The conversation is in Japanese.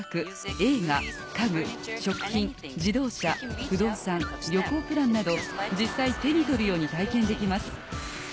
映画家具食品自動車不動産旅行プランなど実際手に取るように体験できます。